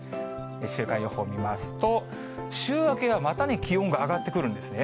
週間予報見ますと、週明けがまた気温が上がってくるんですね。